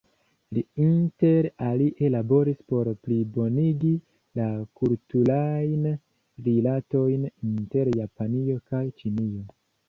Li inter alie laboris por plibonigi la kulturajn rilatojn inter Japanio kaj Ĉinio.